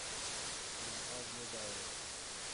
Min av nedaye.